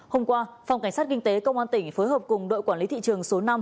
hôm qua phòng cảnh sát kinh tế công an tỉnh phối hợp cùng đội quản lý thị trường số năm